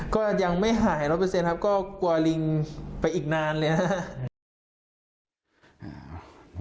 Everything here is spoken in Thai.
ก็ยังไม่หาย๑๐๐ครับก็กลัวลิงไปอีกนานเลยนะครับ